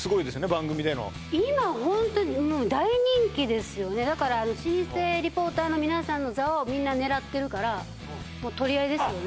番組での今ホントもう大人気ですよねだから老舗リポーターの皆さんの座をみんな狙ってるからもう取り合いですよね